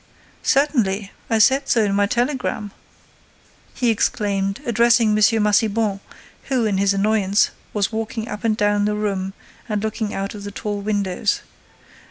—" "Certainly, I said so in my telegram," he exclaimed, addressing M. Massiban, who, in his annoyance, was walking up and down the room and looking out of the tall windows.